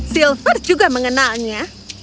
silver juga mengenalnya